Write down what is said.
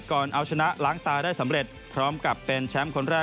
ก่อนเอาชนะล้างตาได้สำเร็จ